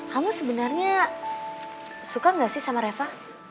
kamu sebenernya suka gak sih sama reva